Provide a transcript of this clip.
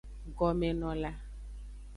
Gomenola.